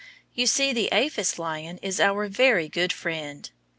You see the aphis lion is our very good friend.